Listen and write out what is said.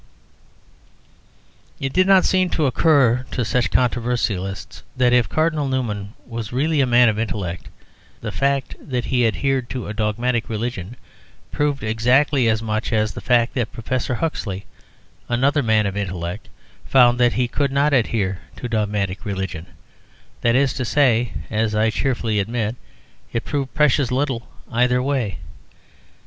It did not seem to occur to such controversialists that if Cardinal Newman was really a man of intellect, the fact that he adhered to dogmatic religion proved exactly as much as the fact that Professor Huxley, another man of intellect, found that he could not adhere to dogmatic religion; that is to say (as I cheerfully admit), it proved precious little either way.